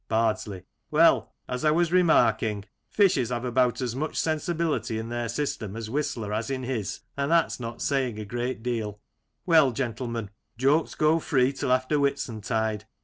Bardsley : Well, as I was remarking, fishes have about as much sensibility in their system as Whistler has in his, and that's not saying a great deal Well, gentlemen, jokes go free till after Whitsuntide.